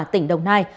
tỉnh đồng nai